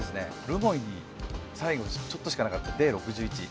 留萌に最後ちょっとしかなかったＤ６１。